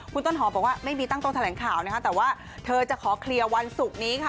คุณต้นหอมบอกว่าไม่มีตั้งโต๊แถลงข่าวนะคะแต่ว่าเธอจะขอเคลียร์วันศุกร์นี้ค่ะ